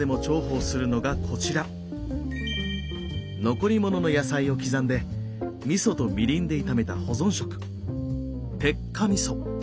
残り物の野菜を刻んでみそとみりんで炒めた保存食鉄火みそ。